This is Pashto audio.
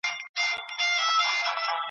بله لمبه به په پانوس کي تر سهاره څارې `